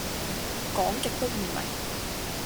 講極都唔明